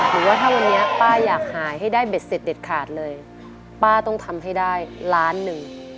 หรือว่าถ้าวันนี้ป้าอยากหายให้ได้เบ็ดเสร็จเด็ดขาดเลยป้าต้องทำให้ได้ล้านหนึ่ง